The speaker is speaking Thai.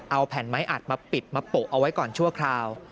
เอาแผ่นไม้อัดมาปิดมาโปะเอาไว้ก่อนชั่วคราว